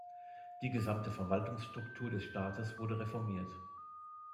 Die gesamte Verwaltungsstruktur des Staates wurde reformiert.